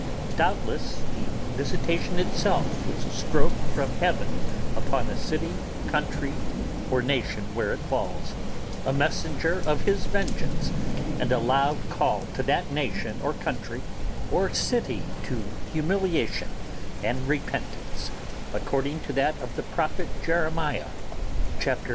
Doubtless the visitation itself is a stroke from Heaven upon a city, or country, or nation where it falls; a messenger of His vengeance, and a loud call to that nation or country or city to humiliation and repentance, according to that of the prophet Jeremiah (xviii.